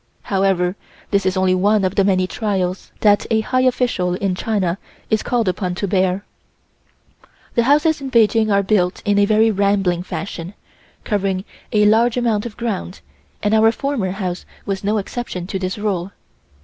However, this is only one of the many trials that a high official in China is called upon to bear. The houses in Peking are built in a very rambling fashion, covering a large amount of ground, and our former house was no exception to the rule.